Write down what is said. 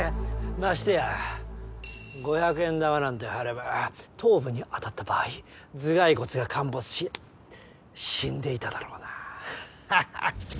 ましてや５００円玉なんて貼れば頭部に当たった場合頭蓋骨が陥没し死んでいただろうなハハッ！